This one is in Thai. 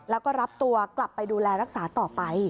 แล้วก็รับตัวกลับไปดูแลรักษาต่อไป